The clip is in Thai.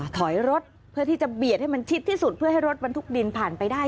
ถอยรถเพื่อที่จะเบียดให้มันชิดที่สุดเพื่อให้รถบรรทุกดินผ่านไปได้